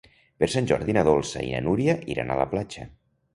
Per Sant Jordi na Dolça i na Núria iran a la platja.